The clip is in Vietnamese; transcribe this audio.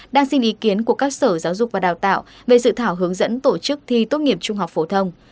đang xin ý kiến của các sở giáo dục và đào tạo về dự thảo hướng dẫn tổ chức thi tốt nghiệp trung học phổ thông